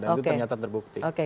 dan itu ternyata terbukti